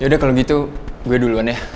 yaudah kalau gitu gue duluan ya